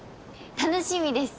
楽しみです。